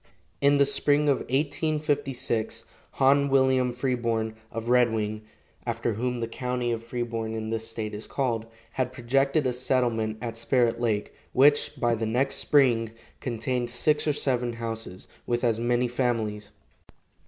In the spring of 1856 Hon. William Freeborn of Red Wing (after whom the county of Freeborn in this state is called) had projected a settlement at Spirit lake, which, by the next spring, contained six or seven houses, with as many families.